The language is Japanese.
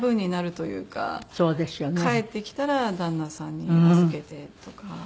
帰ってきたら旦那さんに預けてとか。